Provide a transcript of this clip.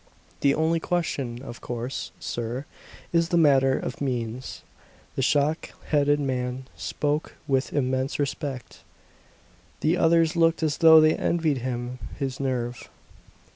"The only question, of course sir is the matter of means." The shock headed man spoke with immense respect. The others looked as though they envied him his nerve.